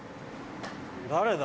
誰だ？